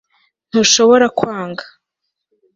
ntushobora kwanga